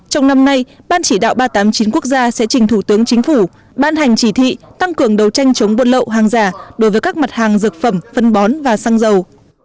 trong năm nay ban chỉ đạo ba trăm tám mươi chín quốc gia sẽ trình thủ tướng chính phủ ban hành chỉ thị tăng cường đấu tranh chống buôn lậu hàng giả đối với các mặt hàng dược phẩm phân bón và xăng dầu